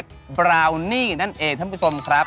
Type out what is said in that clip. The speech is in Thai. บราวนี่นั่นเองท่านผู้ชมครับ